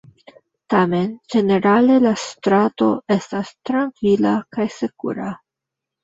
Tamen ĝenerale la strato estas trankvila kaj sekura.